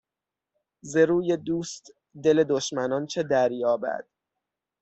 ز روی دوست دل دشمنان چه دریابد